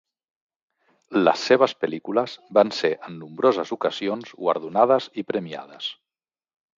Les seves pel·lícules van ser en nombroses ocasions guardonades i premiades.